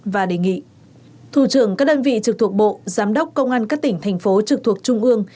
và đề nghị thủ trưởng các đơn vị trực thuộc bộ giám đốc công an các tỉnh thành phố trực thuộc trung ương